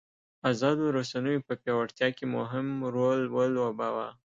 ازادو رسنیو په پیاوړتیا کې مهم رول ولوباوه.